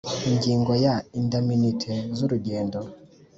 Ingingo ya indamunite z urugendo